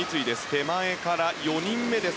手前から４人目です。